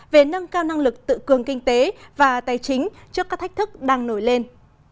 về nâng cao năng lực tự cường kinh tế và tài chính trước các thách thức đang nổi lên